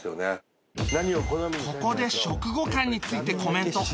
ここで食後感についてコメント